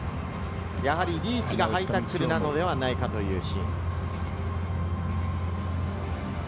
リーチがハイタックルなのではないかというシーン。